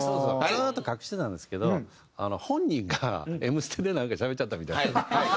ずっと隠してたんですけど本人が『Ｍステ』でなんかしゃべっちゃったみたいで。